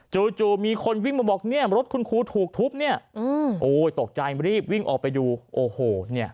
จู่มีคนวิ่งมาบอกเนี่ยรถคุณครูถูกทุบเนี่ยโอ้ยตกใจรีบวิ่งออกไปดูโอ้โหเนี่ย